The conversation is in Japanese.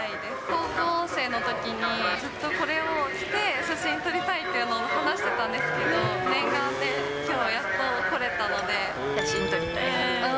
高校生のときに、ずっとこれを着て、写真を撮りたいっていうのを話してたんですけど、念願できょうはやっと来れたので。